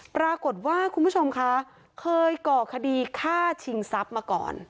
ปรากฏว่าคุณผู้ชมคะเคยก่อคดีฆ่าชิงทรัพย์มาก่อน